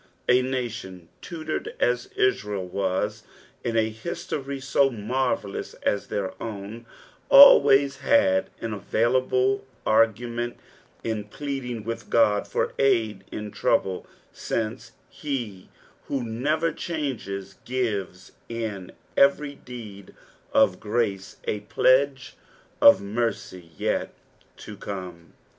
A nation tutored as Israel wu in a history so mnrvellous as their own, alwaya had an aviulable argnraent in plead ing with Ood for aid in trouble, since he who never changes gives lu every deed of grace a pledge of mercy yet to come.